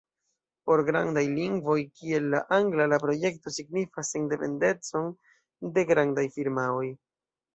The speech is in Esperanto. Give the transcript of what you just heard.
Por grandaj lingvoj kiel la angla la projekto signifas sendependecon de grandaj firmaoj.